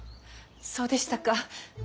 そうでしたか。